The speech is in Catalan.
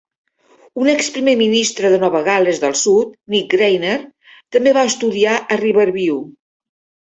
Un exprimer ministre de Nova Gal·les del Sud, Nick Greiner, també va estudiar a Riverview.